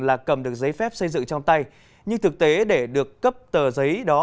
là cầm được giấy phép xây dựng trong tay nhưng thực tế để được cấp tờ giấy đó